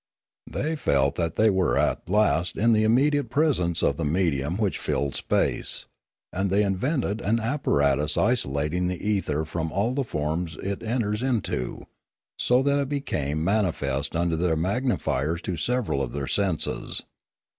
They felt that they were at last in the immediate presence of the medium which filled space, and they invented an apparatus isolating the ether from all the forms it enters into, so that it Discoveries 313 became manifest under their magnifiers to several of their senses.